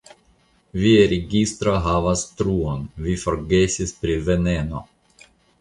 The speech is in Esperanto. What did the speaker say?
Via registro havas truon: vi forgesis pri veneno.